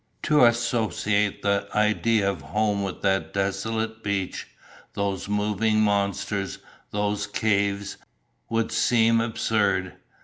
To associate the idea of home with that desolate beach, those moving monsters, those caves, would seem absurd.